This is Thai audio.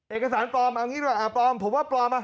เอกสารปลอมเอางี้ดีกว่าปลอมผมว่าปลอมอ่ะ